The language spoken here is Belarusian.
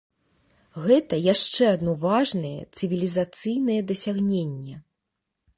Гэта яшчэ адно важнае цывілізацыйнае дасягненне.